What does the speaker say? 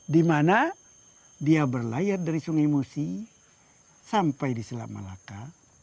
dimana dia berlayar dari sungai musi sampai di selat melaka